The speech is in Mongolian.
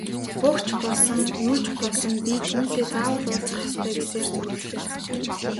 Буг ч болсон, юу ч болсон би түүнтэй заавал уулзах ёстой гэсээр зүглэлээ.